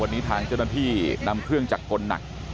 วันนี้ทางเจ้าหน้าที่นำเครื่องจักรพลหนัก